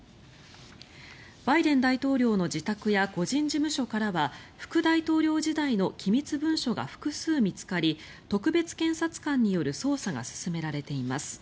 バイデン大統領の自宅や個人事務所からは副大統領時代の機密文書が複数見つかり特別検察官による捜査が進められています。